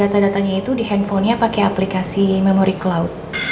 data datanya itu di handphonenya pakai aplikasi memori cloud